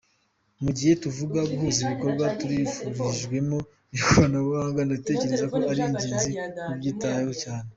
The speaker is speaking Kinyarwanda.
Mu gihe tuvuga guhuza ibikorwa tubifashijwemo n’ikoranabuhanga, ndatekereza ko ari ingenzi kubyitaho cyane.